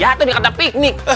jatuh di kata piknik